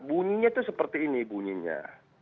bunyinya itu seperti ini bunyinya